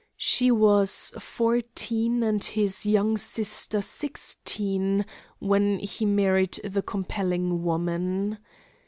She was fourteen and his young sister sixteen, when he married the compelling woman.